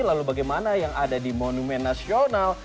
lalu bagaimana yang ada di monumen nasional